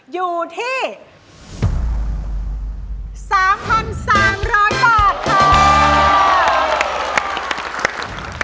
อยู่ที่๓๓๐๐บาทค่ะ